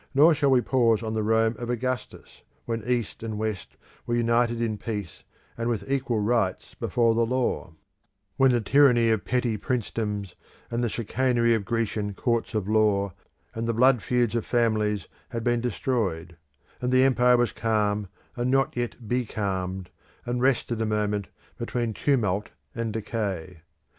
Nor shall we pause on the Rome of Augustus, when East and West were united in peace and with equal rights before the law; when the tyranny of petty princedoms, and the chicanery of Grecian courts of law, and the blood feuds of families had been destroyed; and the empire was calm and not yet becalmed, and rested a moment between tumult and decay.